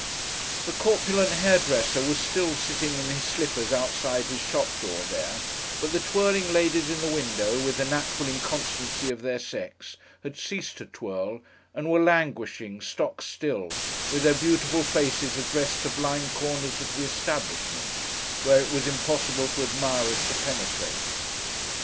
The corpulent hairdresser was still sitting in his slippers outside his shop door there, but the twirling ladies in the window, with the natural inconstancy of their sex, had ceased to twirl, and were languishing, stock still, with their beautiful faces addressed to blind corners of the establishment, where it was impossible for admirers to penetrate.